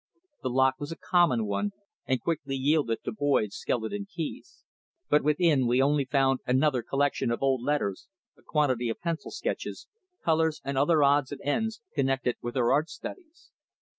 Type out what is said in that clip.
The lock was a common one and quickly yielded to Boyd's skeleton keys, but within we only found another collection of old letters, a quantity of pencil sketches, colours and other odds and ends connected with her art studies.